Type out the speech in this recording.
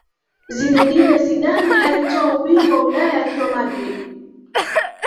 Zinedine Zidane alitwaa ubingwa wa Ulaya akiwa Madrid